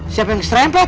siapa yang seram pak